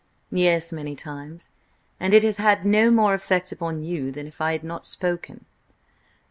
"Yes–many times. And it has had no more effect upon you than if I had not spoken."